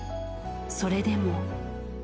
それでも。